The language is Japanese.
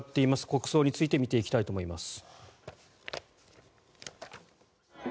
国葬について見ていきたいと思います。